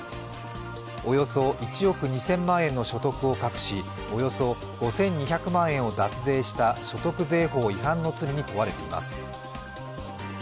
およそ１億２０００万円の所得を隠しおよそ５２００万円を脱税した所得税法違反の罪に問われています。